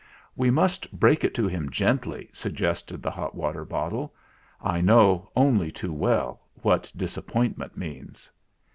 "We must break it to him gently," suggested the hot water bottle. "I know, only too well, what disappointment means.